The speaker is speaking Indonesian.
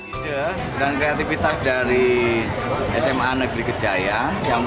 ide dan kreativitas dari sma negeri kejaya